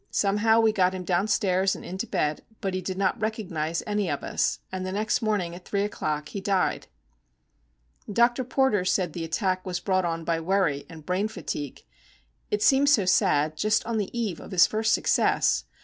Somehow we got him downstairs and into bed; but he did not recognise any of us, and the next morning at three o'clock he died. Dr. Porter said the attack was brought on by worry and brain fatigue. It seems so sad, just on the eve of his first success!